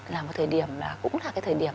là một thời điểm là cũng là cái thời điểm